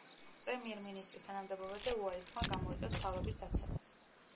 პრემიერ-მინისტრის თანამდებობაზე უარის თქმა გამოიწვევს მთავრობის დაცემას.